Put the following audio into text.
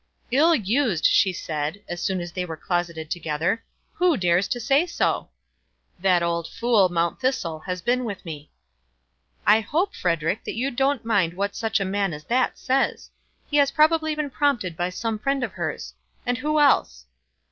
"Ill used!" she said, as soon as they were closeted together. "Who dares to say so?" "That old fool, Mount Thistle, has been with me." "I hope, Frederic, you don't mind what such a man as that says. He has probably been prompted by some friend of hers. And who else?"